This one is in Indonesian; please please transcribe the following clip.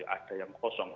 ada yang kosong